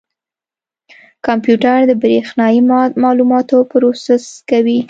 کمپیوټر د برېښنایي معلوماتو پروسس کوي.